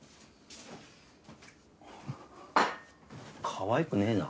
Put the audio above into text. かわいくねえな。